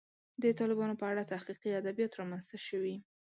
د طالبانو په اړه تحقیقي ادبیات رامنځته شوي.